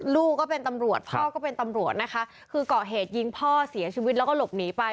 ลูกก็เป็นตำรวจพ่อก็เป็นตำรวจนะคะคือก่อเหตุยิงพ่อเสียชีวิตแล้วก็หลบหนีไป